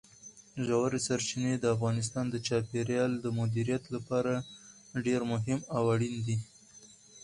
ژورې سرچینې د افغانستان د چاپیریال د مدیریت لپاره ډېر مهم او اړین دي.